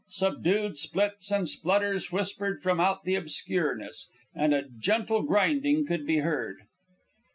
Subdued splits and splutters whispered from out the obscureness, and a gentle grinding could be heard.